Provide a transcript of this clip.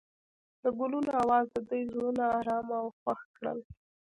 د ګلونه اواز د دوی زړونه ارامه او خوښ کړل.